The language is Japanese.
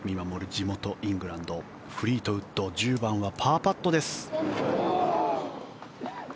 地元イングランドフリートウッド１０番はパーパットです。